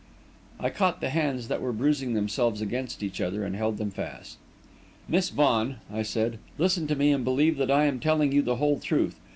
I caught the hands that were bruising themselves against each other and held them fast. "Miss Vaughan," I said, "listen to me and believe that I am telling you the whole truth.